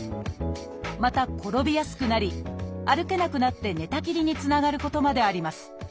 また転びやすくなり歩けなくなって寝たきりにつながることまであります。